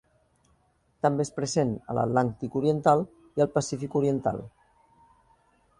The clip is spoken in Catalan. També és present a l'Atlàntic oriental i al Pacífic oriental.